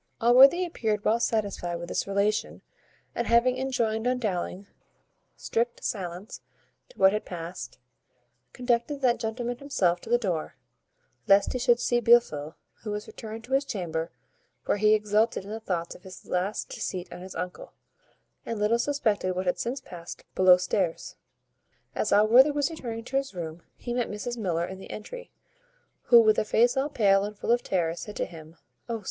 Allworthy appeared well satisfied with this relation, and, having enjoined on Dowling strict silence as to what had past, conducted that gentleman himself to the door, lest he should see Blifil, who was returned to his chamber, where he exulted in the thoughts of his last deceit on his uncle, and little suspected what had since passed below stairs. As Allworthy was returning to his room he met Mrs Miller in the entry, who, with a face all pale and full of terror, said to him, "O!